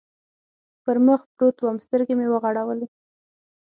پر مخ پروت ووم، سترګې مې و غړولې.